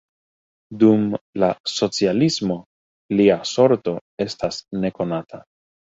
Dum la socialismo lia sorto estas nekonata.